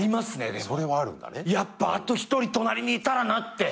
やっぱあと１人隣にいたらなって。